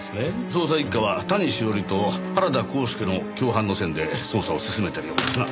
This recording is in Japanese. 捜査一課は谷志桜里と原田幸助の共犯の線で捜査を進めているようですな。